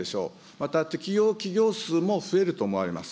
また適用企業数も増えると思われます。